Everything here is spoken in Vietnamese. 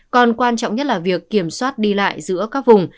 còn quan trọng nhất là việc kiểm soát đi lại giữa các vùng